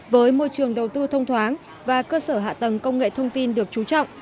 với môi trường đầu tư thông thoáng và cơ sở hạ tầng công nghệ thông tin được trú trọng